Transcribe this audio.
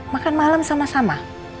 makan malem sama sama